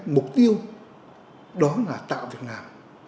mục tiêu đó là tạo việc làm